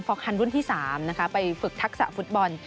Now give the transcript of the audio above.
ฟอกฮันรุ่นที่๓ไปฝึกทักษะฟุตบอล